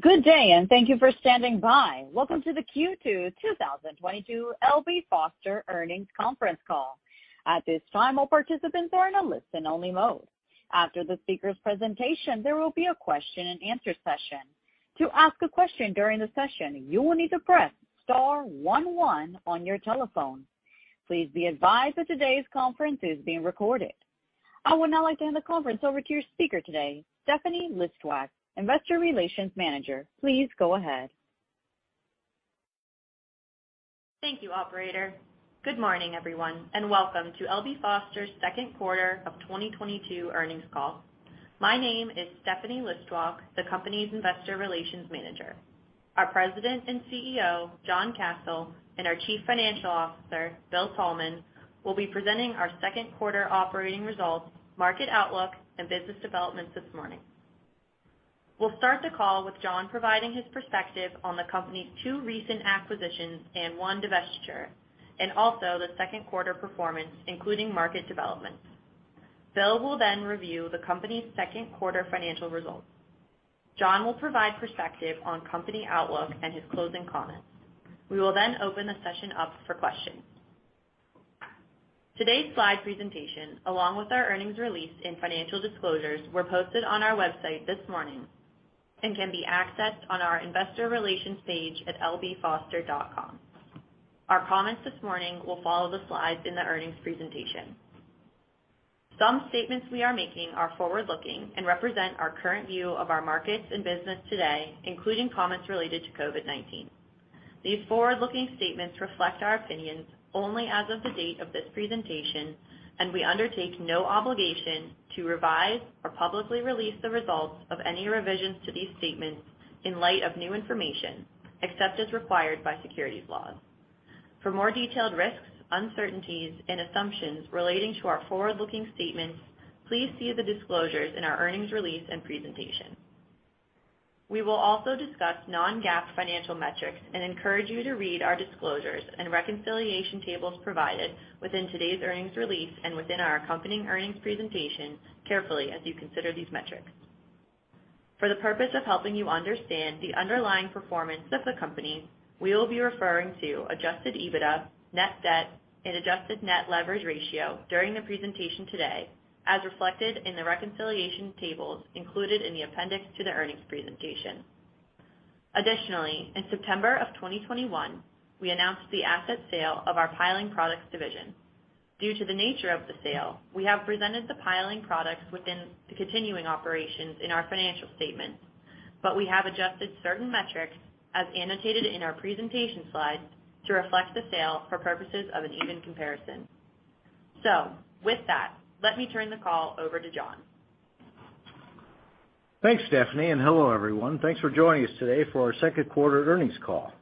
Good day, and thank you for standing by. Welcome to the Q2 2022 L.B. Foster Earnings Conference Call. At this time, all participants are in a listen-only mode. After the speaker's presentation, there will be a question-and-answer session. To ask a question during the session, you will need to press star one one on your telephone. Please be advised that today's conference is being recorded. I would now like to hand the conference over to your speaker today, Stephanie Listwak, Investor Relations Manager. Please go ahead. Thank you, operator. Good morning, everyone, and welcome to L.B. Foster's second quarter of 2022 earnings call. My name is Stephanie Listwak, the company's investor relations manager. Our president and CEO, John Kasel, and our Chief Financial Officer, Bill Thalman, will be presenting our second quarter operating results, market outlook, and business developments this morning. We'll start the call with John providing his perspective on the company's two recent acquisitions and one divestiture, and also the second quarter performance, including market developments. Bill will then review the company's second quarter financial results. John will provide perspective on company outlook and his closing comments. We will then open the session up for questions. Today's slide presentation, along with our earnings release and financial disclosures, were posted on our website this morning and can be accessed on our investor relations page at lbfoster.com. Our comments this morning will follow the slides in the earnings presentation. Some statements we are making are forward-looking and represent our current view of our markets and business today, including comments related to COVID-19. These forward-looking statements reflect our opinions only as of the date of this presentation, and we undertake no obligation to revise or publicly release the results of any revisions to these statements in light of new information, except as required by securities laws. For more detailed risks, uncertainties, and assumptions relating to our forward-looking statements, please see the disclosures in our earnings release and presentation. We will also discuss non-GAAP financial metrics and encourage you to read our disclosures and reconciliation tables provided within today's earnings release and within our accompanying earnings presentation carefully as you consider these metrics. For the purpose of helping you understand the underlying performance of the company, we will be referring to adjusted EBITDA, net debt, and adjusted net leverage ratio during the presentation today, as reflected in the reconciliation tables included in the appendix to the earnings presentation. Additionally, in September of 2021, we announced the asset sale of our Piling Products division. Due to the nature of the sale, we have presented the Piling Products within the continuing operations in our financial statement, but we have adjusted certain metrics as annotated in our presentation slides to reflect the sale for purposes of an even comparison. With that, let me turn the call over to John. Thanks, Stephanie, and hello, everyone. Thanks for joining us today for our second quarter earnings call.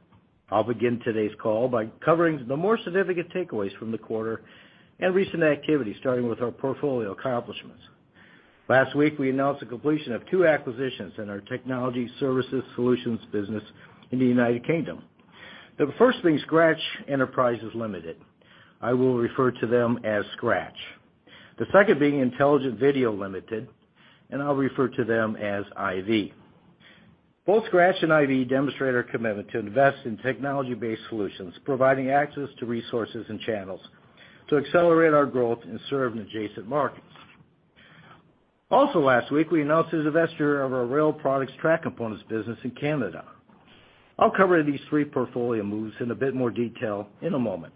I'll begin today's call by covering the more significant takeaways from the quarter and recent activity, starting with our portfolio accomplishments. Last week, we announced the completion of two acquisitions in our technology services solutions business in the United Kingdom. The first being Skratch Enterprises Ltd. I will refer to them as Skratch. The second being Intelligent Video Ltd., and I'll refer to them as IV. Both Skratch and IV demonstrate our commitment to invest in technology-based solutions, providing access to resources and channels to accelerate our growth and serve in adjacent markets. Also last week, we announced the divestiture of our Rail Products Track Components business in Canada. I'll cover these three portfolio moves in a bit more detail in a moment.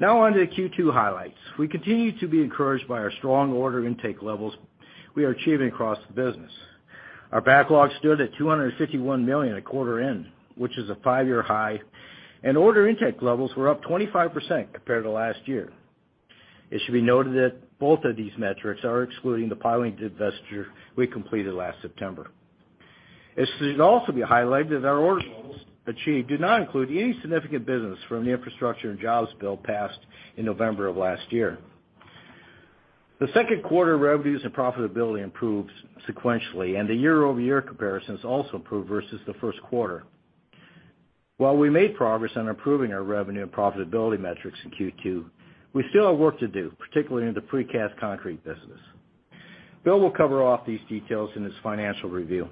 Now on to the Q2 highlights. We continue to be encouraged by our strong order intake levels we are achieving across the business. Our backlog stood at $251 million at quarter end, which is a five-year high, and order intake levels were up 25% compared to last year. It should be noted that both of these metrics are excluding the Piling divestiture we completed last September. It should also be highlighted that our order levels achieved do not include any significant business from the Infrastructure and Jobs Bill passed in November of last year. The second quarter revenues and profitability improved sequentially, and the year-over-year comparisons also improved versus the first quarter. While we made progress on improving our revenue and profitability metrics in Q2, we still have work to do, particularly in the Precast Concrete business. Bill will cover off these details in his financial review.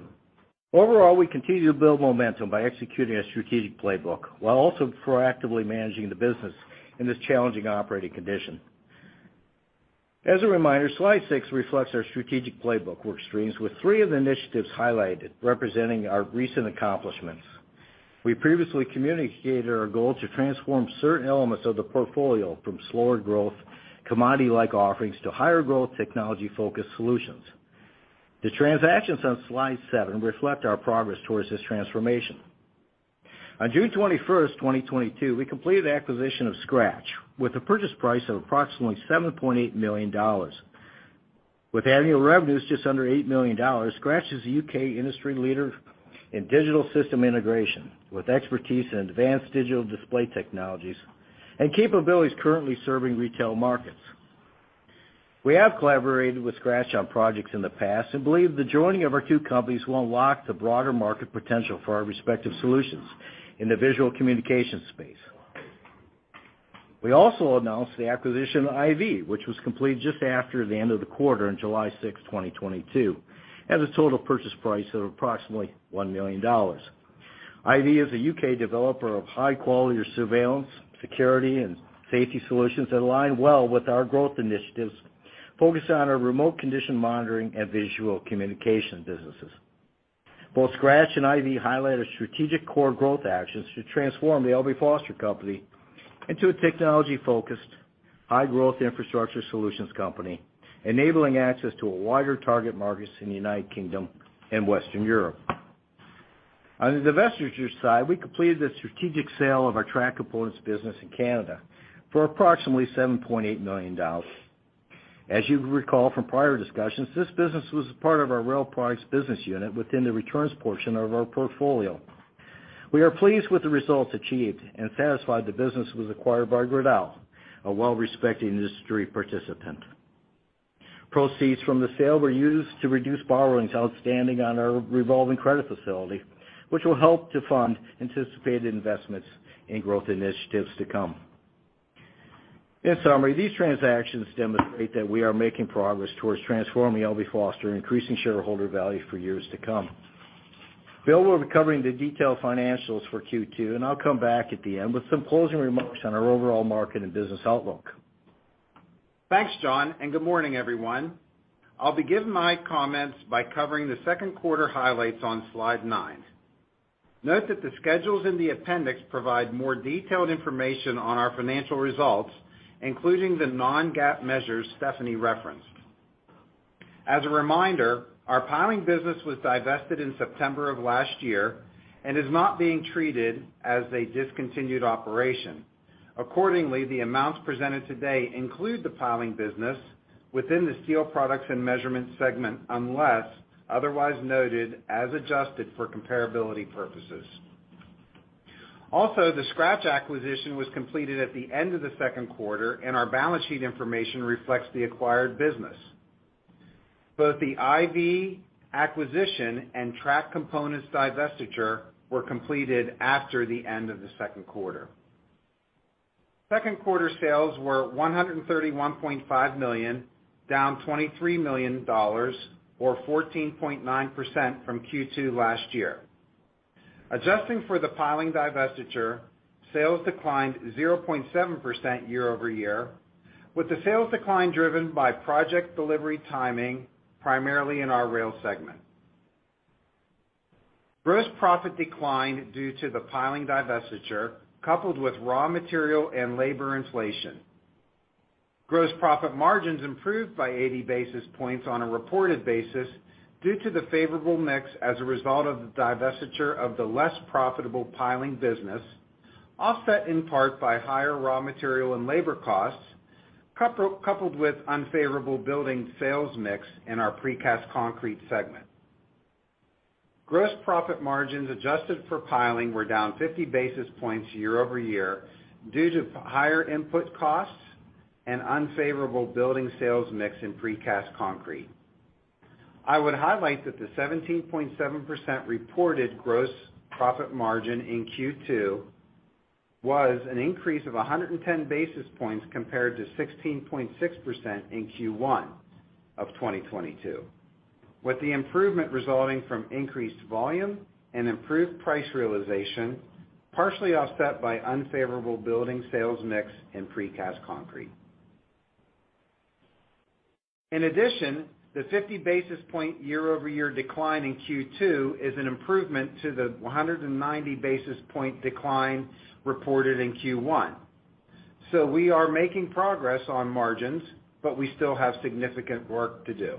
Overall, we continue to build momentum by executing a strategic playbook while also proactively managing the business in this challenging operating condition. As a reminder, slide six reflects our strategic playbook work streams, with three of the initiatives highlighted representing our recent accomplishments. We previously communicated our goal to transform certain elements of the portfolio from slower growth, commodity-like offerings to higher growth, technology-focused solutions. The transactions on slide seven reflect our progress towards this transformation. On June 21st, 2022, we completed the acquisition of Skratch with a purchase price of approximately $7.8 million. With annual revenues just under $8 million, Skratch is a U.K. industry leader in digital system integration with expertise in advanced digital display technologies and capabilities currently serving retail markets. We have collaborated with Skratch on projects in the past and believe the joining of our two companies will unlock the broader market potential for our respective solutions in the visual communication space. We also announced the acquisition of IV which was completed just after the end of the quarter on July 6, 2022, at a total purchase price of approximately $1 million. IV is a U.K. developer of high-quality surveillance, security, and safety solutions that align well with our growth initiatives, focused on our remote condition monitoring and visual communication businesses. Both Skratch and IV highlight our strategic core growth actions to transform the L.B. Foster Company into a technology-focused, high-growth infrastructure solutions company, enabling access to wider target markets in the United Kingdom and Western Europe. On the divestiture side, we completed the strategic sale of our Track Components business in Canada for approximately $7.8 million. As you recall from prior discussions, this business was part of our Rail Products business unit within the returns portion of our portfolio. We are pleased with the results achieved and satisfied the business was acquired by Gerdau, a well-respected industry participant. Proceeds from the sale were used to reduce borrowings outstanding on our revolving credit facility, which will help to fund anticipated investments in growth initiatives to come. In summary, these transactions demonstrate that we are making progress towards transforming L.B. Foster and increasing shareholder value for years to come. Bill will be covering the detailed financials for Q2, and I'll come back at the end with some closing remarks on our overall market and business outlook. Thanks, John, and good morning, everyone. I'll begin my comments by covering the second quarter highlights on slide nine. Note that the schedules in the appendix provide more detailed information on our financial results, including the non-GAAP measures Stephanie referenced. As a reminder, our Piling business was divested in September of last year and is not being treated as a discontinued operation. Accordingly, the amounts presented today include the Piling business within the Steel Products and Measurement segment, unless otherwise noted as adjusted for comparability purposes. Also, the Skratch acquisition was completed at the end of the second quarter, and our balance sheet information reflects the acquired business. Both the IV acquisition and Track Components divestiture were completed after the end of the second quarter. Second quarter sales were $131.5 million, down $23 million or 14.9% from Q2 last year. Adjusting for the Piling divestiture, sales declined 0.7% year-over-year, with the sales decline driven by project delivery timing, primarily in our Rail segment. Gross profit declined due to the Piling divestiture, coupled with raw material and labor inflation. Gross profit margins improved by 80 basis points on a reported basis due to the favorable mix as a result of the divestiture of the less profitable Piling business, offset in part by higher raw material and labor costs, coupled with unfavorable building sales mix in our Precast Concrete segment. Gross profit margins adjusted for Piling were down 50 basis points year-over-year due to higher input costs and unfavorable building sales mix in Precast Concrete. I would highlight that the 17.7% reported gross profit margin in Q2 was an increase of 110 basis points compared to 16.6% in Q1 of 2022, with the improvement resulting from increased volume and improved price realization, partially offset by unfavorable building sales mix in Precast Concrete. In addition, the 50 basis point year-over-year decline in Q2 is an improvement to the 190 basis point decline reported in Q1. We are making progress on margins, but we still have significant work to do.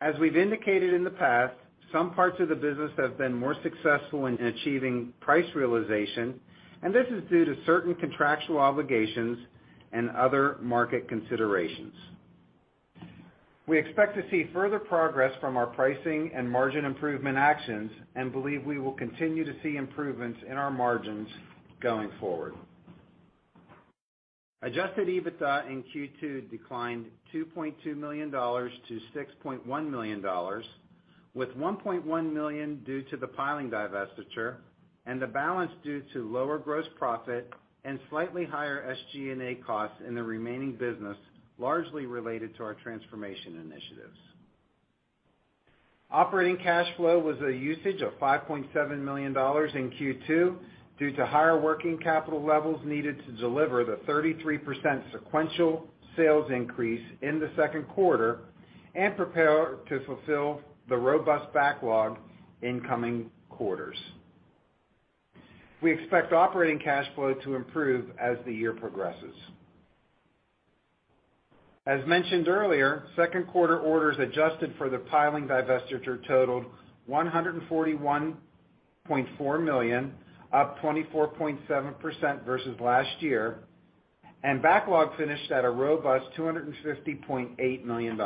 As we've indicated in the past, some parts of the business have been more successful in achieving price realization, and this is due to certain contractual obligations and other market considerations. We expect to see further progress from our pricing and margin improvement actions and believe we will continue to see improvements in our margins going forward. Adjusted EBITDA in Q2 declined $2.2 million to $6.1 million, with $1.1 million due to the Piling divestiture and the balance due to lower gross profit and slightly higher SG&A costs in the remaining business, largely related to our transformation initiatives. Operating cash flow was a usage of $5.7 million in Q2 due to higher working capital levels needed to deliver the 33% sequential sales increase in the second quarter and prepare to fulfill the robust backlog in coming quarters. We expect operating cash flow to improve as the year progresses. As mentioned earlier, second quarter orders adjusted for the Piling divestiture totaled $141.4 million, up 24.7% versus last year, and backlog finished at a robust $250.8 million.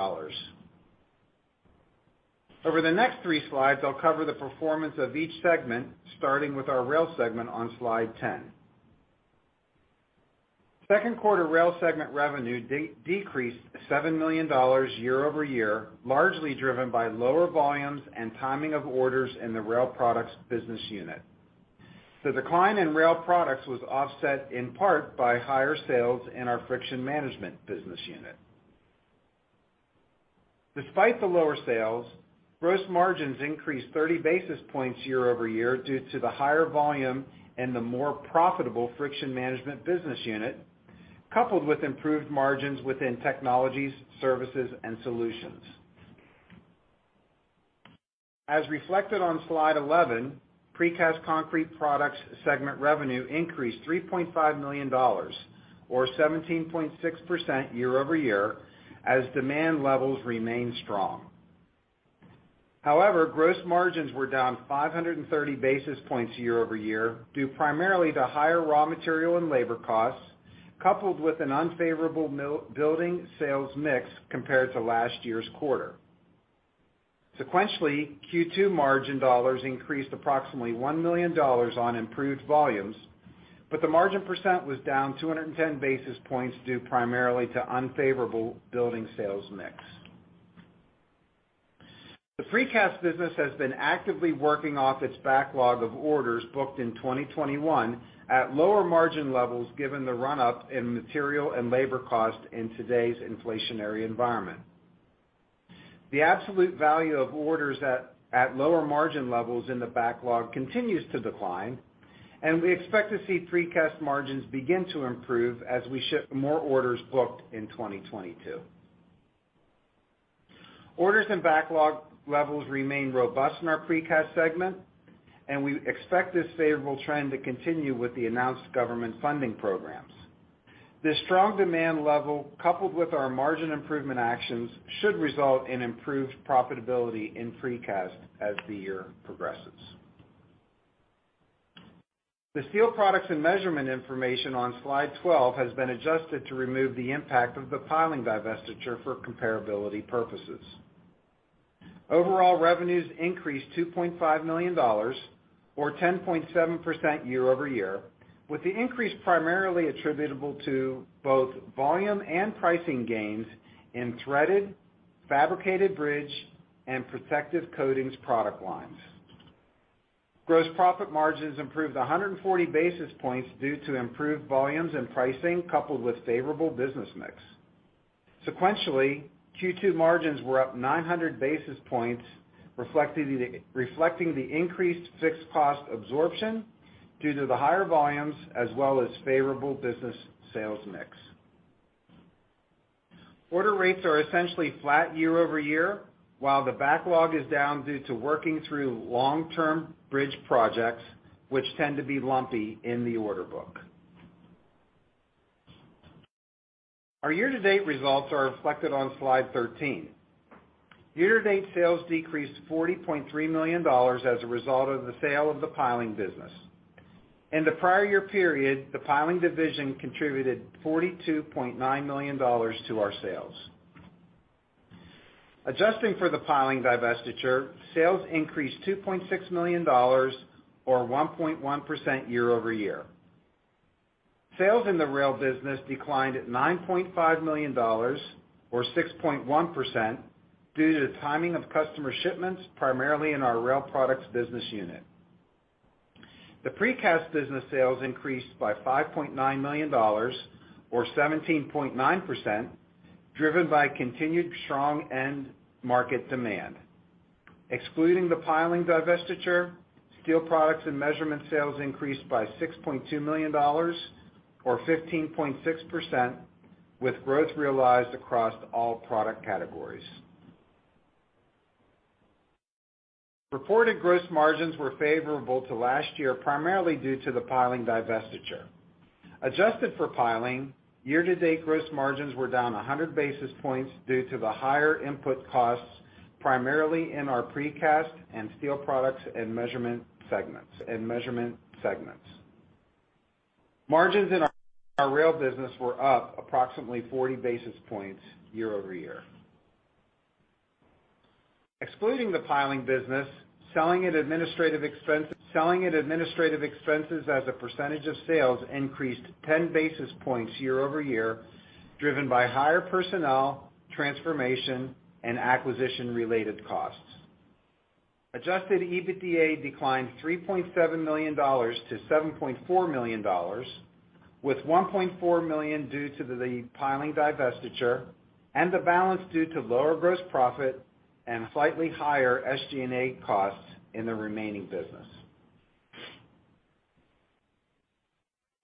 Over the next three slides, I'll cover the performance of each segment, starting with our Rail segment on slide 10. Second quarter Rail segment revenue decreased $7 million year-over-year, largely driven by lower volumes and timing of orders in the Rail Products business unit. The decline in Rail Products was offset in part by higher sales in our Friction Management business unit. Despite the lower sales, gross margins increased 30 basis points year-over-year due to the higher volume and the more profitable Friction Management business unit, coupled with improved margins within Technology Services and Solutions. As reflected on slide 11, Precast Concrete Products segment revenue increased $3.5 million, or 17.6% year-over-year, as demand levels remained strong. However, gross margins were down 530 basis points year-over-year, due primarily to higher raw material and labor costs, coupled with an unfavorable mill-building sales mix compared to last year's quarter. Sequentially, Q2 margin dollars increased approximately $1 million on improved volumes, but the margin percent was down 210 basis points due primarily to unfavorable building sales mix. The Precast business has been actively working off its backlog of orders booked in 2021 at lower margin levels given the run-up in material and labor cost in today's inflationary environment. The absolute value of orders at lower margin levels in the backlog continues to decline, and we expect to see Precast margins begin to improve as we ship more orders booked in 2022. Orders and backlog levels remain robust in our Precast segment, and we expect this favorable trend to continue with the announced government funding programs. This strong demand level, coupled with our margin improvement actions, should result in improved profitability in Precast as the year progresses. The Steel Products and Measurement information on slide 12 has been adjusted to remove the impact of the Piling divestiture for comparability purposes. Overall revenues increased $2.5 million or 10.7% year-over-year, with the increase primarily attributable to both volume and pricing gains in threaded, fabricated bridge, and protective coatings product lines. Gross profit margins improved 140 basis points due to improved volumes and pricing coupled with favorable business mix. Sequentially, Q2 margins were up 900 basis points, reflecting the increased fixed cost absorption due to the higher volumes as well as favorable business sales mix. Order rates are essentially flat year-over-year, while the backlog is down due to working through long-term bridge projects, which tend to be lumpy in the order book. Our year-to-date results are reflected on slide 13. Year-to-date sales decreased $40.3 million as a result of the sale of the Piling business. In the prior year period, the Piling division contributed $42.9 million to our sales. Adjusting for the Piling divestiture, sales increased $2.6 million or 1.1% year-over-year. Sales in the Rail business declined $9.5 million or 6.1% due to the timing of customer shipments, primarily in our Rail Products business unit. The Precast business sales increased by $5.9 million or 17.9%, driven by continued strong end market demand. Excluding the Piling divestiture, Steel Products and Measurement sales increased by $6.2 million or 15.6%, with growth realized across all product categories. Reported gross margins were favorable to last year, primarily due to the Piling divestiture. Adjusted for Piling, year-to-date gross margins were down 100 basis points due to the higher input costs, primarily in our Precast and Steel Products and Measurement segments. Margins in our Rail business were up approximately 40 basis points year-over-year. Excluding the Piling business, selling and administrative expenses as a percentage of sales increased 10 basis points year-over-year, driven by higher personnel, transformation, and acquisition-related costs. Adjusted EBITDA declined $3.7 million to $7.4 million, with $1.4 million due to the Piling divestiture and the balance due to lower gross profit and slightly higher SG&A costs in the remaining business.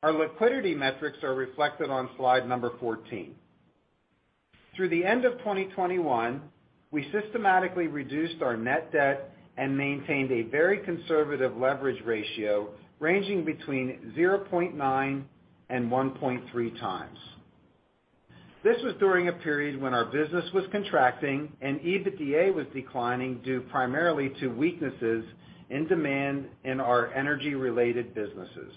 Our liquidity metrics are reflected on slide 14. Through the end of 2021, we systematically reduced our net debt and maintained a very conservative leverage ratio ranging between 0.9x and 1.3x. This was during a period when our business was contracting and EBITDA was declining due primarily to weaknesses in demand in our energy-related businesses.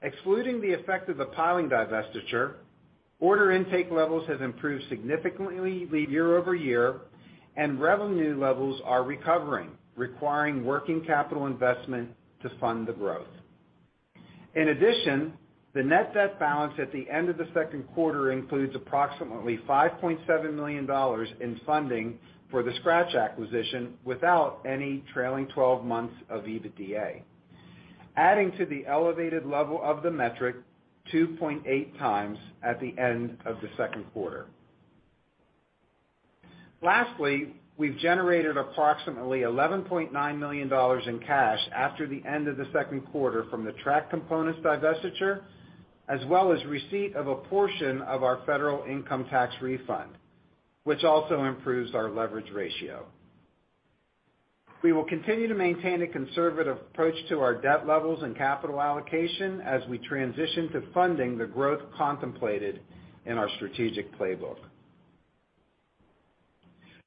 Excluding the effect of the Piling divestiture, order intake levels have improved significantly year over year, and revenue levels are recovering, requiring working capital investment to fund the growth. In addition, the net debt balance at the end of the second quarter includes approximately $5.7 million in funding for the Skratch acquisition without any trailing twelve months of EBITDA. Adding to the elevated level of the metric 2.8x at the end of the second quarter. Lastly, we've generated approximately $11.9 million in cash after the end of the second quarter from the track components divestiture, as well as receipt of a portion of our federal income tax refund, which also improves our leverage ratio. We will continue to maintain a conservative approach to our debt levels and capital allocation as we transition to funding the growth contemplated in our strategic playbook.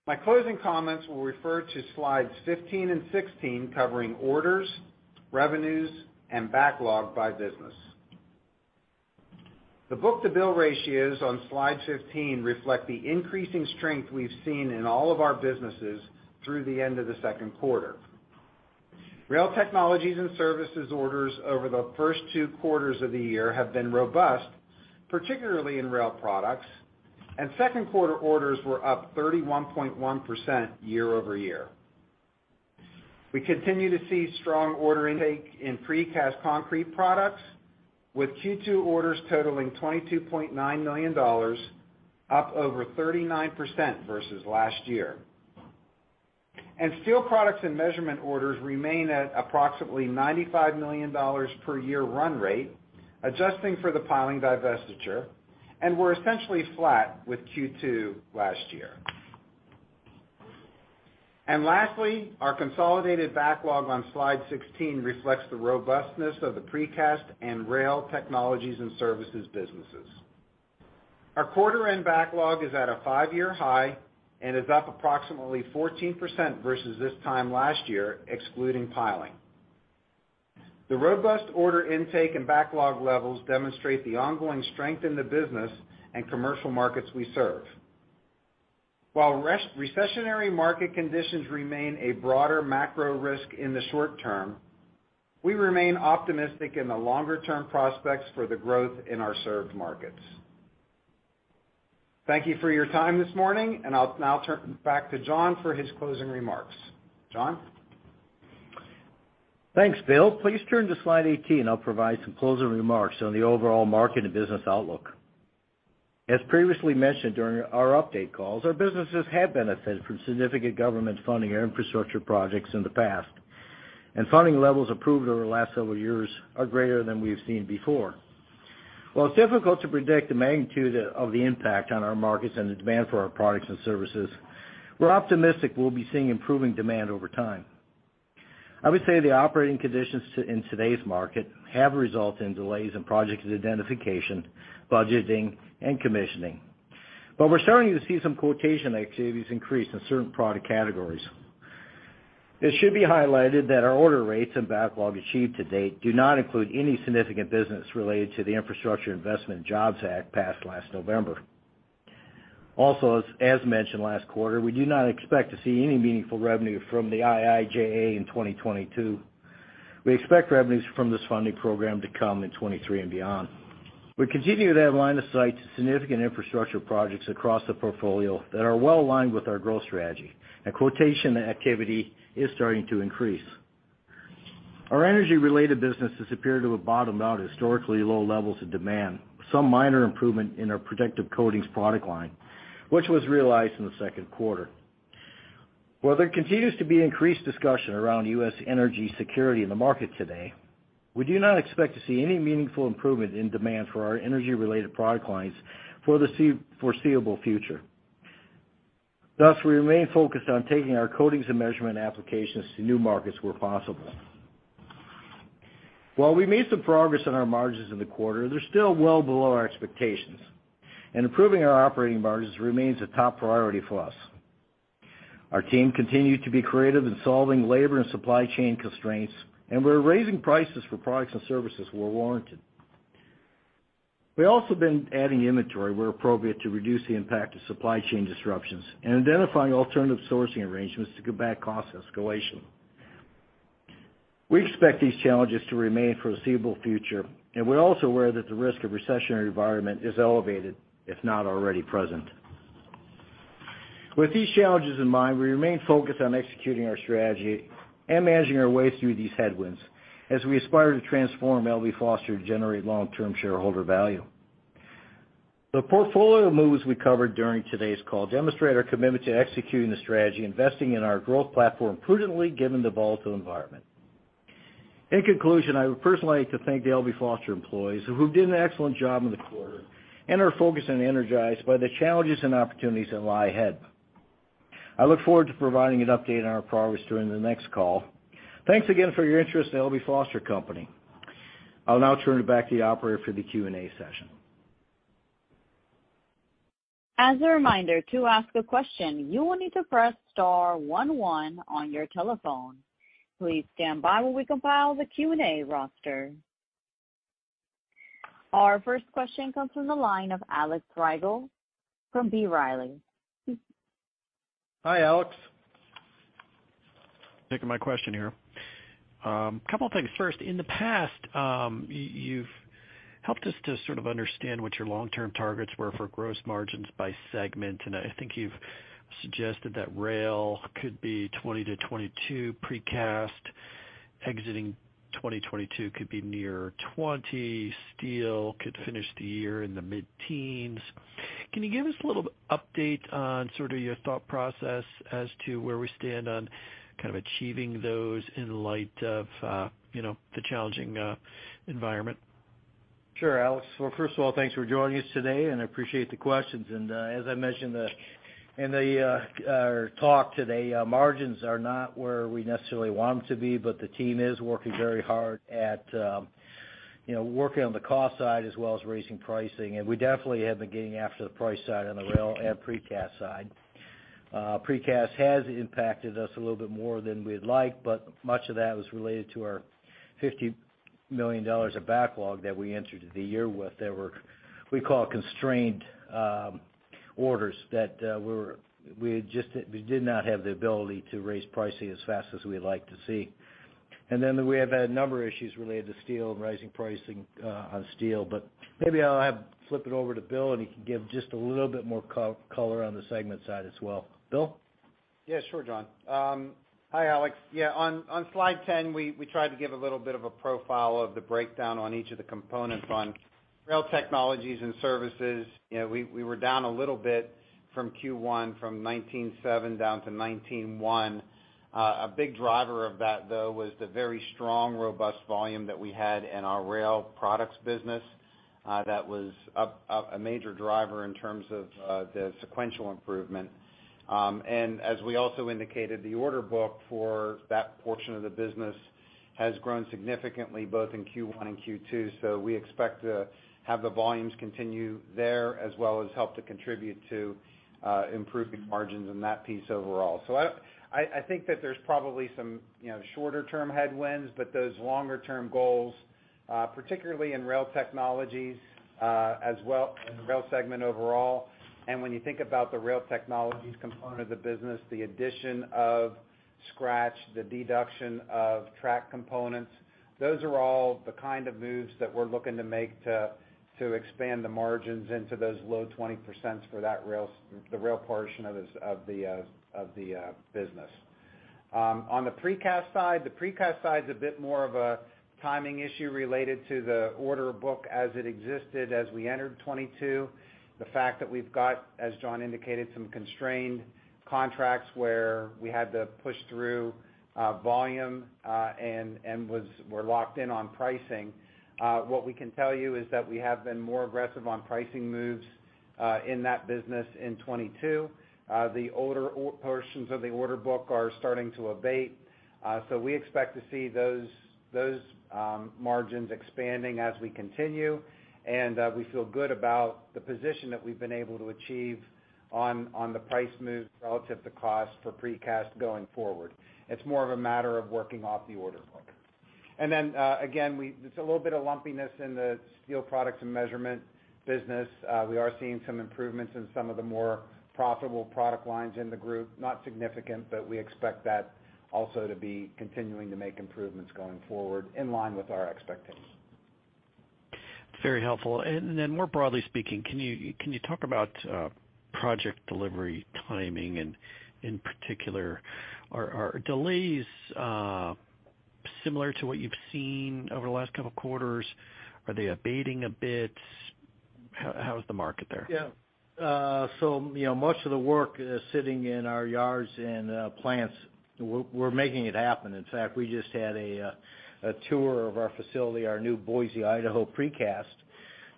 My closing comments will refer to Slides 15 and 16, covering orders, revenues, and backlog by business. The book-to-bill ratios on Slide 15 reflect the increasing strength we've seen in all of our businesses through the end of the second quarter. Rail Technologies and Services orders over the first two quarters of the year have been robust, particularly in rail products, and second quarter orders were up 31.1% year-over-year. We continue to see strong order intake in precast concrete products, with Q2 orders totaling $22.9 million, up over 39% versus last year. Steel products and measurement orders remain at approximately $95 million per year run rate, adjusting for the piling divestiture, and were essentially flat with Q2 last year. Lastly, our consolidated backlog on Slide 16 reflects the robustness of the precast and Rail Technologies and Services businesses. Our quarter end backlog is at a five-year high and is up approximately 14% versus this time last year, excluding Piling. The robust order intake and backlog levels demonstrate the ongoing strength in the business and commercial markets we serve. While recessionary market conditions remain a broader macro risk in the short term, we remain optimistic in the longer-term prospects for the growth in our served markets. Thank you for your time this morning, and I'll now turn back to John for his closing remarks. John? Thanks, Bill. Please turn to slide 18. I'll provide some closing remarks on the overall market and business outlook. As previously mentioned during our update calls, our businesses have benefited from significant government funding and infrastructure projects in the past, and funding levels approved over the last several years are greater than we've seen before. While it's difficult to predict the magnitude of the impact on our markets and the demand for our products and services, we're optimistic we'll be seeing improving demand over time. I would say the operating conditions in today's market have resulted in delays in project identification, budgeting, and commissioning, but we're starting to see some quotation activities increase in certain product categories. It should be highlighted that our order rates and backlog achieved to date do not include any significant business related to the Infrastructure Investment and Jobs Act passed last November. Also, as mentioned last quarter, we do not expect to see any meaningful revenue from the IIJA in 2022. We expect revenues from this funding program to come in 2023 and beyond. We continue to have line of sight to significant infrastructure projects across the portfolio that are well aligned with our growth strategy, and quotation activity is starting to increase. Our energy-related businesses appear to have bottomed out historically low levels of demand, some minor improvement in our Protective Coatings product line, which was realized in the second quarter. While there continues to be increased discussion around U.S. energy security in the market today, we do not expect to see any meaningful improvement in demand for our energy-related product lines for the foreseeable future. Thus, we remain focused on taking our coatings and measurement applications to new markets where possible. While we made some progress on our margins in the quarter, they're still well below our expectations, and improving our operating margins remains a top priority for us. Our team continued to be creative in solving labor and supply chain constraints, and we're raising prices for products and services where warranted. We've also been adding inventory where appropriate to reduce the impact of supply chain disruptions and identifying alternative sourcing arrangements to combat cost escalation. We expect these challenges to remain for the foreseeable future, and we're also aware that the risk of recessionary environment is elevated, if not already present. With these challenges in mind, we remain focused on executing our strategy and managing our way through these headwinds as we aspire to transform L.B. Foster to generate long-term shareholder value. The portfolio moves we covered during today's call demonstrate our commitment to executing the strategy, investing in our growth platform prudently given the volatile environment. In conclusion, I would personally like to thank the L.B. Foster employees who did an excellent job in the quarter and are focused and energized by the challenges and opportunities that lie ahead. I look forward to providing an update on our progress during the next call. Thanks again for your interest in L.B. Foster Company. I'll now turn it back to the operator for the Q&A session. As a reminder, to ask a question, you will need to press star one one on your telephone. Please stand by while we compile the Q&A roster. Our first question comes from the line of Alex Rygiel from B. Riley. Hi, Alex. Taking my question here. Couple of things. First, in the past, you've Helped us to sort of understand what your long-term targets were for gross margins by segment. I think you've suggested that rail could be 20%-22%, precast exiting 2022 could be near 20%, steel could finish the year in the mid-10%. Can you give us a little update on sort of your thought process as to where we stand on kind of achieving those in light of, you know, the challenging environment? Sure, Alex. Well, first of all, thanks for joining us today, and I appreciate the questions. As I mentioned in our talk today, margins are not where we necessarily want them to be, but the team is working very hard at, you know, working on the cost side as well as raising pricing. We definitely have been getting after the price side on the rail and precast side. Precast has impacted us a little bit more than we'd like, but much of that was related to our $50 million of backlog that we entered the year with that were, we call constrained orders that we just did not have the ability to raise pricing as fast as we'd like to see. Then we have had a number of issues related to steel and rising pricing on steel. Maybe I'll flip it over to Bill, and he can give just a little bit more color on the segment side as well. Bill? Yeah, sure, John. Hi, Alex. Yeah, on slide 10, we tried to give a little bit of a profile of the breakdown on each of the components on Rail Technologies and Services. You know, we were down a little bit from Q1, from $19.7 down to $19.1. A big driver of that, though, was the very strong, robust volume that we had in our Rail Products business, that was a major driver in terms of the sequential improvement. As we also indicated, the order book for that portion of the business has grown significantly, both in Q1 and Q2. We expect to have the volumes continue there as well as help to contribute to improving margins in that piece overall. I think that there's probably some, you know, shorter term headwinds, but those longer term goals, particularly in Rail Technologies, as well as in the Rail segment overall. When you think about the Rail Technologies component of the business, the addition of Skratch, the divestiture of Track Components, those are all the kind of moves that we're looking to make to expand the margins into those low 20%s for the Rail portion of the business. On the Precast side, the Precast side's a bit more of a timing issue related to the order book as it existed as we entered 2022. The fact that we've got, as John indicated, some constrained contracts where we had to push through volume and were locked in on pricing. What we can tell you is that we have been more aggressive on pricing moves in that business in 2022. The older portions of the order book are starting to abate, so we expect to see those margins expanding as we continue. We feel good about the position that we've been able to achieve on the price moves relative to cost for Precast going forward. It's more of a matter of working off the order book. There's a little bit of lumpiness in the Steel Products and Measurement business. We are seeing some improvements in some of the more profitable product lines in the group, not significant, but we expect that also to be continuing to make improvements going forward in line with our expectations. Very helpful. More broadly speaking, can you talk about project delivery timing and in particular, are delays similar to what you've seen over the last couple quarters? Are they abating a bit? How is the market there? Yeah. So you know, much of the work sitting in our yards and plants, we're making it happen. In fact, we just had a tour of our facility, our new Boise, Idaho Precast.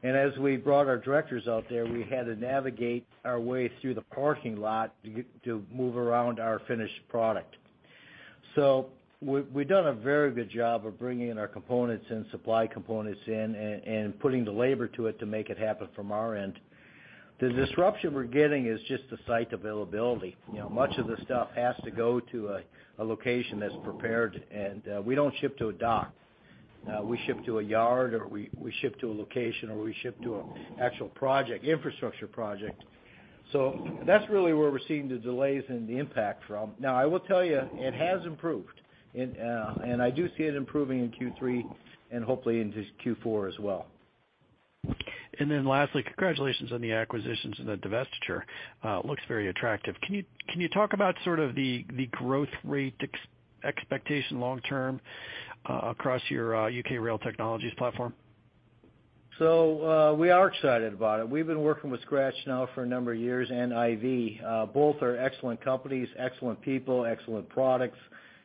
As we brought our directors out there, we had to navigate our way through the parking lot to move around our finished product. We've done a very good job of bringing in our components and supply components in and putting the labor to it to make it happen from our end. The disruption we're getting is just the site availability. You know, much of the stuff has to go to a location that's prepared, and we don't ship to a dock. We ship to a yard, or we ship to a location, or we ship to an actual project, infrastructure project. That's really where we're seeing the delays and the impact from. Now, I will tell you, it has improved and I do see it improving in Q3 and hopefully into Q4 as well. Then lastly, congratulations on the acquisitions and the divestiture. Looks very attractive. Can you talk about sort of the growth rate expectation long term across your U.K. Rail Technologies platform? We are excited about it. We've been working with Skratch now for a number of years, and IV. Both are excellent companies, excellent people, excellent products.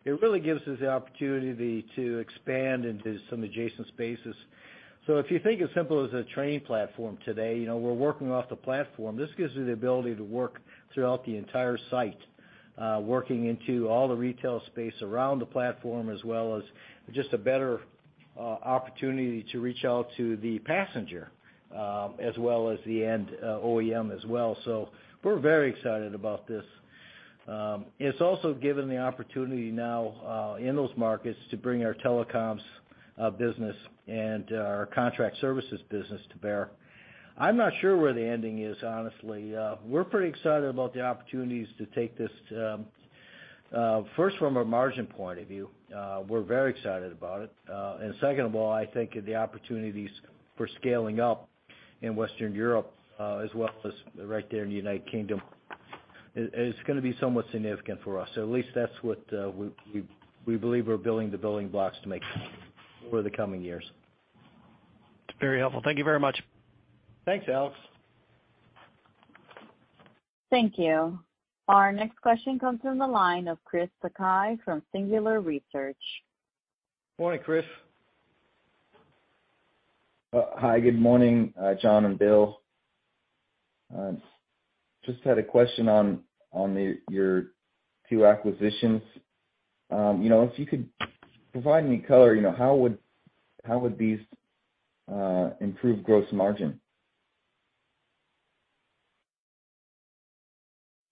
It really gives us the opportunity to expand into some adjacent spaces. If you think as simple as a train platform today, you know, we're working off the platform. This gives us the ability to work throughout the entire site, working into all the retail space around the platform as well as just a better opportunity to reach out to the passenger, as well as the end, OEM as well. We're very excited about this. It's also given the opportunity now, in those markets to bring our telecoms business and our contract services business to bear. I'm not sure where the ending is, honestly. We're pretty excited about the opportunities to take this. First, from a margin point of view, we're very excited about it. Second of all, I think the opportunities for scaling up in Western Europe, as well as right there in the United Kingdom is gonna be somewhat significant for us. At least that's what we believe we're building the building blocks to make over the coming years. Very helpful. Thank you very much. Thanks, Alex. Thank you. Our next question comes from the line of Chris Sakai from Singular Research. Morning, Chris. Hi, good morning, John and Bill. Just had a question on your two acquisitions. You know, if you could provide any color, you know, how would these improve gross margin?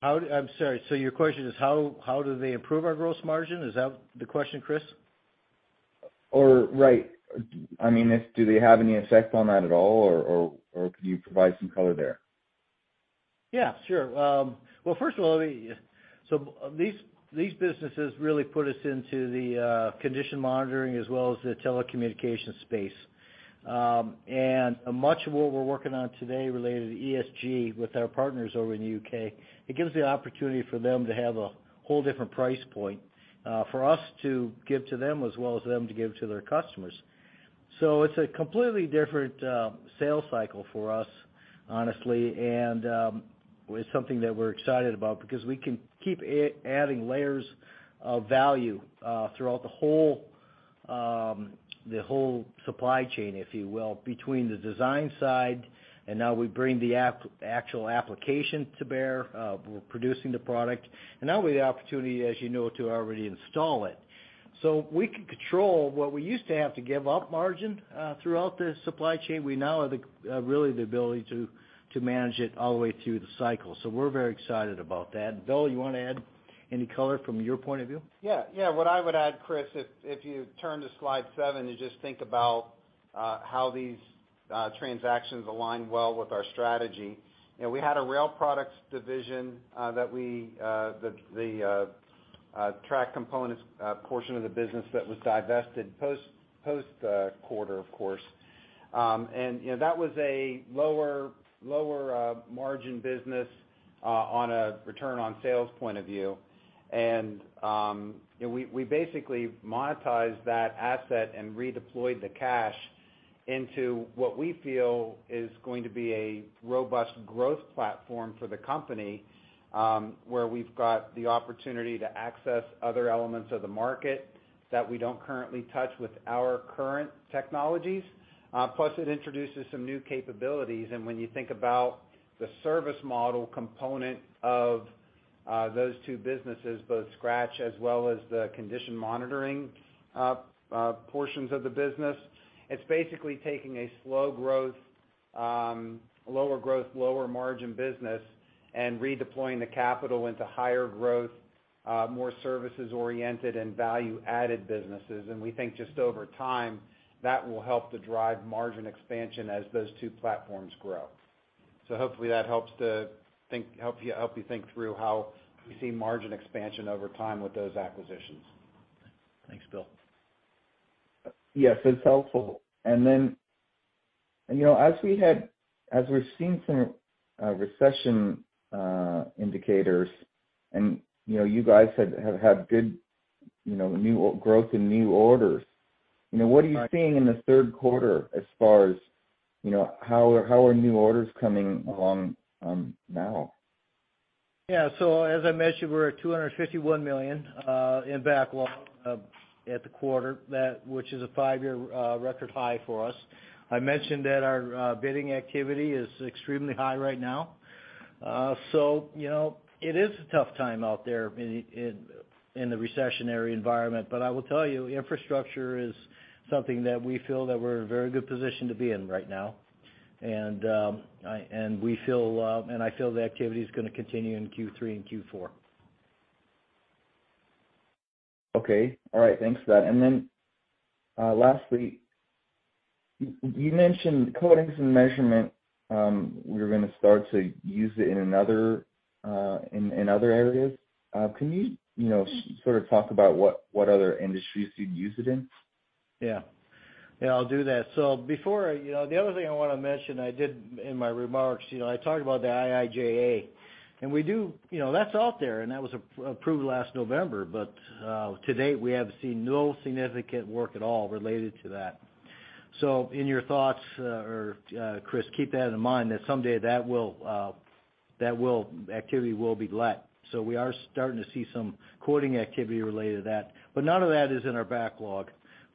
I'm sorry. Your question is how do they improve our gross margin? Is that the question, Chris? Right. I mean, do they have any effect on that at all, or could you provide some color there? Yeah, sure. Well, first of all, these businesses really put us into the condition monitoring as well as the telecommunication space. Much of what we're working on today related to ESG with our partners over in the U.K., it gives the opportunity for them to have a whole different price point for us to give to them as well as them to give to their customers. It's a completely different sales cycle for us, honestly, and it's something that we're excited about because we can keep adding layers of value throughout the whole supply chain, if you will, between the design side and now we bring the actual application to bear. We're producing the product, and now with the opportunity, as you know, to already install it. We can control what we used to have to give up margin throughout the supply chain, we now have really the ability to manage it all the way through the cycle. We're very excited about that. Bill, you wanna add any color from your point of view? What I would add, Chris, if you turn to slide seven, you just think about how these transactions align well with our strategy. You know, we had a Rail Products division, the track components portion of the business that was divested post quarter, of course. You know, that was a lower margin business on a return on sales point of view. You know, we basically monetized that asset and redeployed the cash into what we feel is going to be a robust growth platform for the company, where we've got the opportunity to access other elements of the market that we don't currently touch with our current technologies. Plus it introduces some new capabilities. When you think about the service model component of those two businesses, both Skratch as well as the condition monitoring portions of the business, it's basically taking a slow growth lower growth, lower margin business and redeploying the capital into higher growth more services-oriented and value-added businesses. We think just over time, that will help to drive margin expansion as those two platforms grow. Hopefully that helps you think through how we see margin expansion over time with those acquisitions. Thanks, Bill. Yes, it's helpful. You know, as we're seeing some recession indicators, you know, you guys have had good growth in new orders. You know, what are you seeing in the third quarter as far as you know how are new orders coming along now? Yeah. As I mentioned, we're at $251 million in backlog at the quarter, which is a five-year record high for us. I mentioned that our bidding activity is extremely high right now. You know, it is a tough time out there in the recessionary environment. I will tell you, infrastructure is something that we feel that we're in a very good position to be in right now. We feel, and I feel the activity is gonna continue in Q3 and Q4. Okay. All right. Thanks for that. Lastly, you mentioned coatings and measurement, you're gonna start to use it in another, in other areas. Can you know, sort of talk about what other industries you'd use it in? Yeah. Yeah, I'll do that. Before, you know, the other thing I wanna mention, I did in my remarks, you know, I talked about the IIJA. You know, that's out there, and that was approved last November. To date, we have seen no significant work at all related to that. In your thoughts, or, Chris, keep that in mind that someday that will activity will be let. We are starting to see some quoting activity related to that. None of that is in our backlog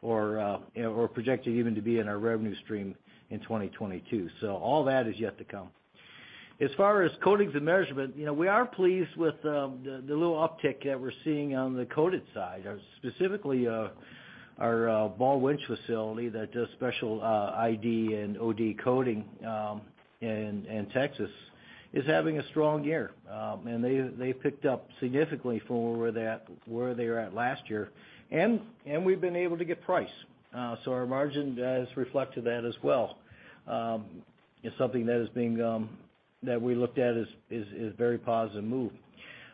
or projected even to be in our revenue stream in 2022. All that is yet to come. As far as coatings and measurement, you know, we are pleased with the little uptick that we're seeing on the coated side. Specifically, our Ball Winch facility that does special ID and OD coating in Texas is having a strong year. They picked up significantly from where they were at last year. We've been able to get price. Our margin does reflect that as well. It's something that we looked at is very positive move.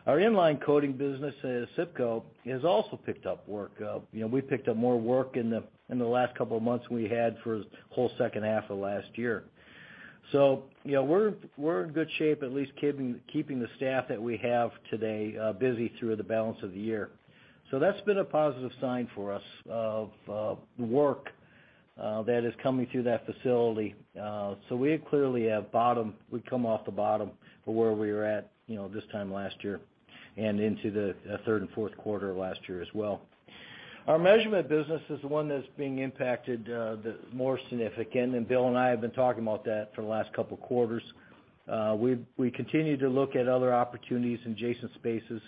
Our in-line coating business at ACIPCO has also picked up work. You know, we picked up more work in the last couple of months we had for a whole second half of last year. You know, we're in good shape at least keeping the staff that we have today busy through the balance of the year. That's been a positive sign for us of work that is coming through that facility. We clearly have come off the bottom from where we were at, you know, this time last year and into the third and fourth quarter of last year as well. Our measurement business is the one that's being impacted the more significant, and Bill and I have been talking about that for the last couple of quarters. We continue to look at other opportunities in adjacent spaces,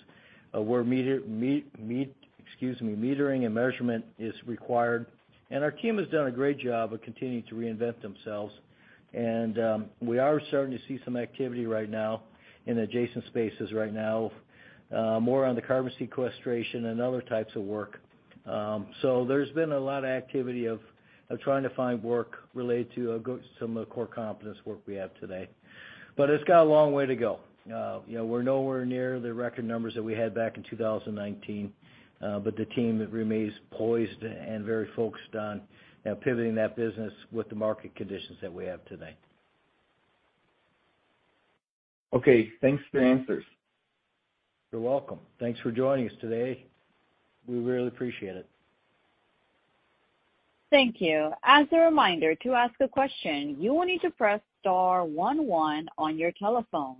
excuse me, where metering and measurement is required. We are starting to see some activity right now in adjacent spaces right now, more on the carbon sequestration and other types of work. So there's been a lot of activity of trying to find work related to some of the core competence work we have today. It's got a long way to go. You know, we're nowhere near the record numbers that we had back in 2019. The team remains poised and very focused on, you know, pivoting that business with the market conditions that we have today. Okay, thanks for your answers. You're welcome. Thanks for joining us today. We really appreciate it. Thank you. As a reminder, to ask a question, you will need to press star one one on your telephone.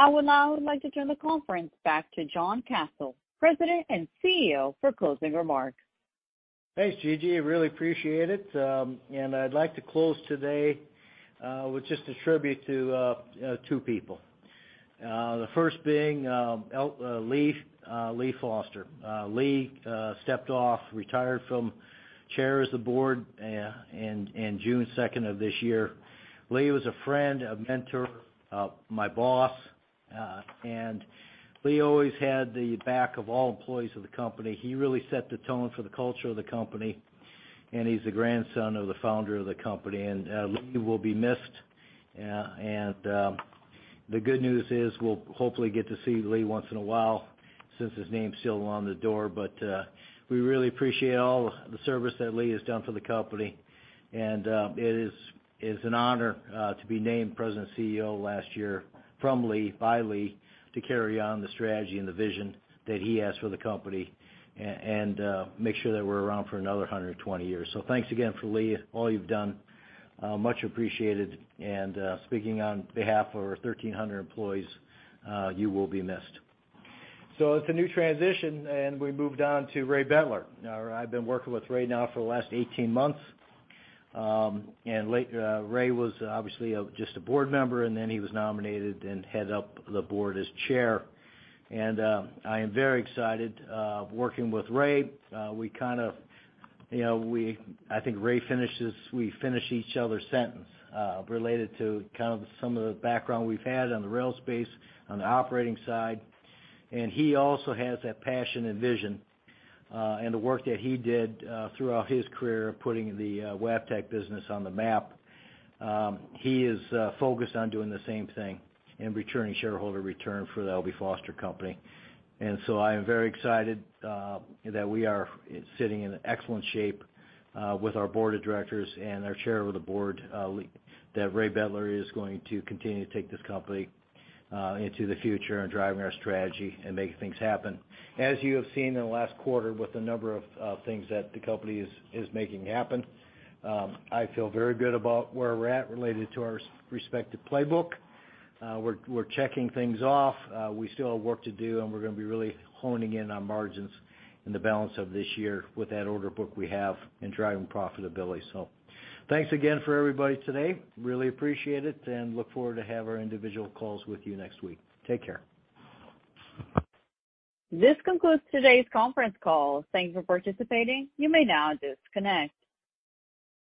I would now like to turn the conference back to John Kasel, President and CEO, for closing remarks. Thanks, Gigi. I really appreciate it. I'd like to close today with just a tribute to two people. The first being Lee Foster. Lee stepped off, retired from Chair of the Board in June of this year. Lee was a friend, a mentor, my boss, and Lee always had the back of all employees of the company. He really set the tone for the culture of the company, and he's the grandson of the founder of the company. Lee will be missed. The good news is we'll hopefully get to see Lee once in a while since his name's still on the door. We really appreciate all the service that Lee has done for the company. It is, it's an honor to be named President and CEO last year from Lee, by Lee, to carry on the strategy and the vision that he has for the company and make sure that we're around for another 120 years. Thanks again, Lee, for all you've done, much appreciated. Speaking on behalf of our 1,300 employees, you will be missed. It's a new transition, and we moved on to Ray Betler. I've been working with Ray now for the last 18 months. Ray was obviously just a board member, and then he was nominated and headed up the board as chair. I am very excited working with Ray. We kind of, you know, I think we finish each other's sentence related to kind of some of the background we've had on the rail space, on the operating side. He also has that passion and vision, and the work that he did throughout his career, putting the Wabtec business on the map. He is focused on doing the same thing and returning shareholder return for the L.B. Foster Company. I am very excited that we are sitting in excellent shape with our board of directors and our chair of the board that Ray Betler is going to continue to take this company into the future and driving our strategy and making things happen. As you have seen in the last quarter with the number of things that the company is making happen, I feel very good about where we're at related to our respective playbook. We're checking things off. We still have work to do, and we're gonna be really honing in on margins in the balance of this year with that order book we have and driving profitability. Thanks again for everybody today. Really appreciate it, and look forward to have our individual calls with you next week. Take care. This concludes today's conference call. Thank you for participating. You may now disconnect.